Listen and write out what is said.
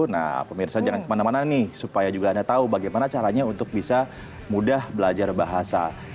nah pemirsa jangan kemana mana nih supaya juga anda tahu bagaimana caranya untuk bisa mudah belajar bahasa